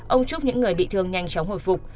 ông chúc những người bị thương nhanh chóng hồi phục